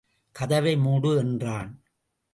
கதவை மூடு என்றான்.